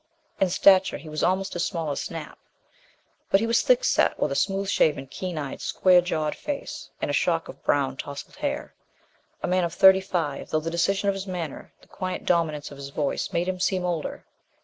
In stature he was almost as small as Snap. But he was thick set, with a smooth shaven, keen eyed, square jawed face; and a shock of brown tousled hair. A man of thirty five, though the decision of his manner, the quiet dominance of his voice made him seem older.